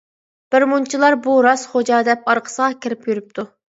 بىر مۇنچىلار: «بۇ راست خوجا» دەپ ئارقىسىغا كىرىپ يۈرۈپتۇ.